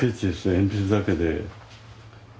鉛筆だけで。